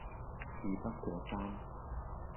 事不過三